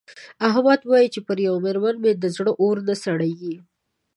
احمد وايې چې پر یوه مېرمن مې د زړه اور نه سړېږي.